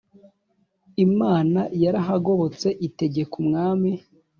imana yarahagobotse itegeka umwami